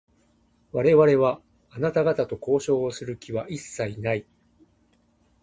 我々は、あなた方と交渉をする気は一切ない。